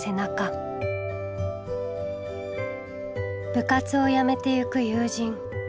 部活を辞めてゆく友人。